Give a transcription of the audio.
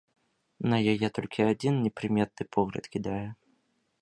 На яе толькі адзін непрыметны погляд кідае.